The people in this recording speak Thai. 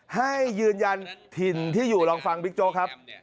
ให้ยืนยันถิ่นที่อยู่ลองฟังบิ๊กโจ๊กครับ